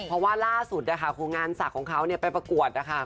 เพราะว่าล่าสุดนะคะโครงงานศักดิ์ของเขาไปประกวดนะคะ